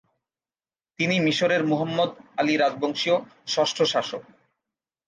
তিনি মিশরের Muhammad Ali রাজবংশীয় ষষ্ঠ শাসক।